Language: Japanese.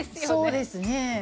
そうですね。